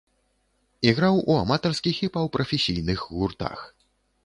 Іграў у аматарскіх і паўпрафесійных гуртах.